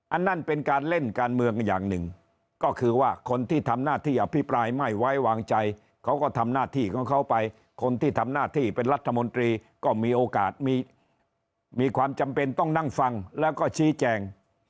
อันนั้นเป็นการเล่นการเมืองอย่างหนึ่งก็คือว่าคนที่ทำหน้าที่อภิปรายไม่ไว้วางใจเขาก็ทำหน้าที่ของเขาไปคนที่ทำหน้าที่เป็นรัฐมนตรีก็มีโอกาสมีความจำเป็นต้องนั่งฟังแล้วก็ชี้แจง